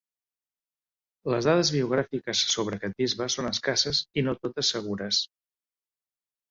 Les dades biogràfiques sobre aquest bisbe són escasses i no totes segures.